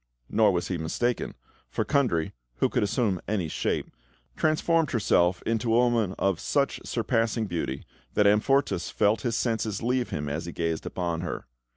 Nor was he mistaken, for Kundry (who could assume any shape) transformed herself into a woman of such surpassing beauty that Amfortas felt his senses leave him as he gazed upon her.